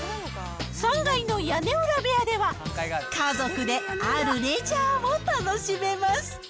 ３階の屋根裏部屋では、家族であるレジャーを楽しめます。